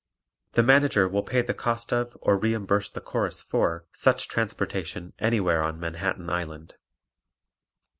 The Manager will pay the cost of or reimburse the Chorus for such transportation anywhere on Manhattan Island.